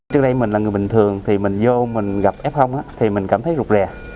trước đây mình là người bình thường thì mình vô mình gặp f thì mình cảm thấy rụt rè